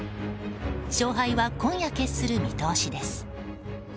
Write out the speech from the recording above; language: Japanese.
勝敗は今夜決する見通しです。